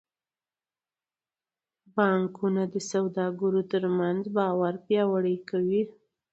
بانکونه د سوداګرو ترمنځ باور پیاوړی کوي.